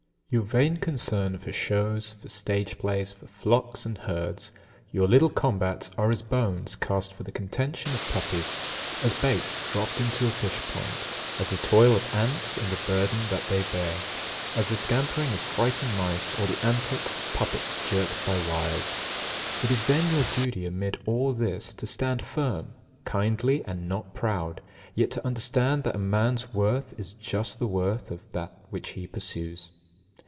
3. Your vain concern for shows, for stage plays, for flocks and herds, your little combats, are as bones cast for the contention of puppies, as baits dropped into a fishpond, as the toil of ants and the burdens that they bear, as the scampering of frightened mice, or the antics of puppets jerked by wires. It is then your duty amid all this to stand firm, kindly and not proud, yet to understand that a man's worth is just the worth of that which he pursues.